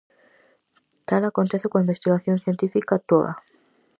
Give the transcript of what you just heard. Tal acontece coa investigación científica toda.